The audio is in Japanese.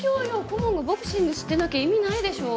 顧問がボクシング知ってなきゃ意味ないでしょ。